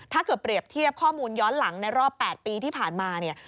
เปรียบเทียบข้อมูลย้อนหลังในรอบ๘ปีที่ผ่านมาเนี่ย